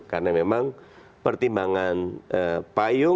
karena memang pertimbangan payung